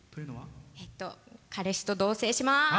彼氏と同せいします。